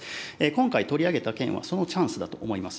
今回、取り上げた件はそのチャンスだと思います。